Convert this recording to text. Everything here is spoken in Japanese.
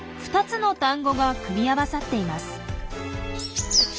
２つの単語が組み合わさっています。